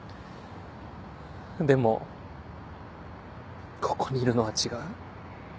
でもここにいるのは違う。